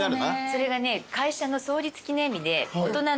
それがね会社の創立記念日で大人の皆さん